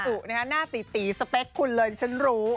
มาสู่หน้าตีสเป็คคุณเลยฉันรู้